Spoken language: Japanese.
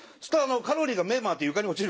カロリーが目回って床に落ちる。